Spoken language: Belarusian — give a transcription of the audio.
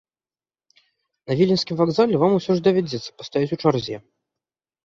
На віленскім вакзале вам усё ж давядзецца пастаяць у чарзе.